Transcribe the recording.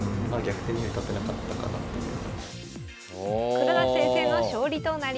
黒田先生の勝利となりました。